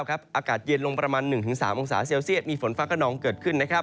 อากาศเย็นลงประมาณ๑๓องศาเซลเซียตมีฝนฟ้ากระนองเกิดขึ้น